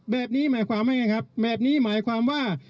แบบนี้หมายความว่าไงครับแบบนี้หมายความว่า